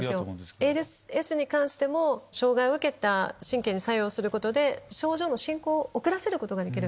ＡＬＳに関しても障害を受けた神経に作用することで症状の進行を遅らせることができる。